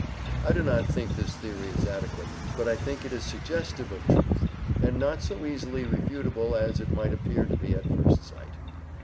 I do not think this theory is adequate, but I think it is suggestive of truth, and not so easily refutable as it might appear to be at first sight.